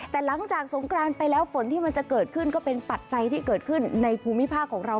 แต่หลังจากสงกรานไปแล้วฝนที่มันจะเกิดขึ้นก็เป็นปัจจัยที่เกิดขึ้นในภูมิภาคของเรา